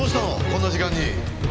こんな時間に。